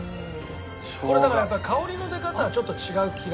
これだから香りの出方がちょっと違う気がする。